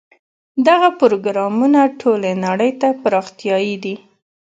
دغه پروګرامونه ټولې نړۍ ته پراختیايي دي.